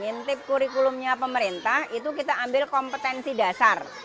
intip kurikulumnya pemerintah itu kita ambil kompetensi dasar